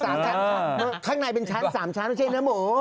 ๓ชั้นข้างในเป็นชั้น๓ชั้นไม่ใช่เนื้อหมู